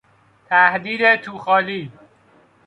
تهدید تو خالی